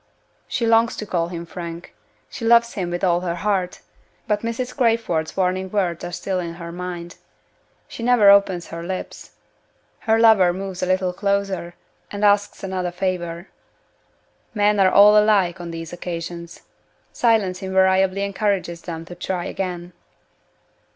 She longs to call him Frank she loves him with all her heart. But Mrs. Crayford's warning words are still in her mind. She never opens her lips. Her lover moves a little closer, and asks another favor. Men are all alike on these occasions. Silence invariably encourages them to try again.